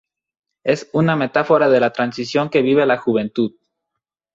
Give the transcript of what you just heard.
Es una metáfora de la transición que vive la juventud".